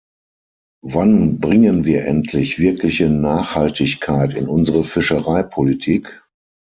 Wann bringen wir endlich wirkliche Nachhaltigkeit in unsere Fischereipolitik?